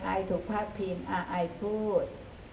อไอทุพพีมอไอพูด